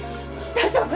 大丈夫？